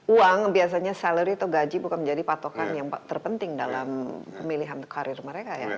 uang biasanya salary atau gaji bukan menjadi patokan yang terpenting dalam pemilihan karir mereka ya